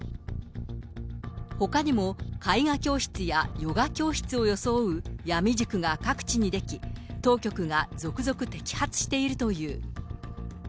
ほかにも、絵画教室やヨガ教室を装う闇塾が各地に出来、当局が続々摘発しているという。